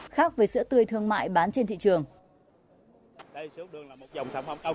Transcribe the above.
khác với sữa tươi thương mại bán trên thị trường